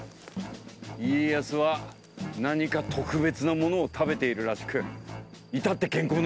家康は何か特別なものを食べているらしく至って健康のようじゃ。